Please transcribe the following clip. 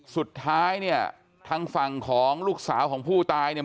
สุดท้ายเนี่ยทางฝั่งของลูกสาวของผู้ตายเนี่ย